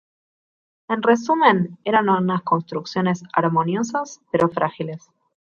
En resumen, eran unas construcciones armoniosas pero frágiles.